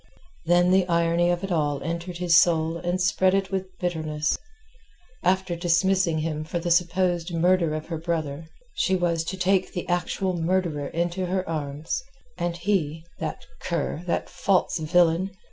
Then the irony of it all entered his soul and spread it with bitterness. After dismissing him for the supposed murder of her brother, she was to take the actual murderer to her arms. And he, that cur, that false villain!